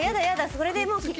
それでもう危険！